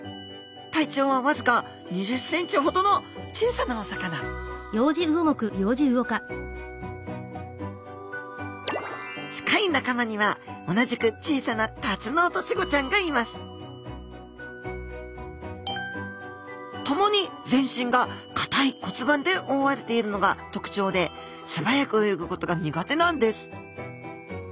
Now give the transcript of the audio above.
体長は僅か２０ｃｍほどの小さなお魚近い仲間には同じく小さなタツノオトシゴちゃんがいます共に全身が硬い骨板で覆われているのが特徴で素早く泳くことが苦手なんです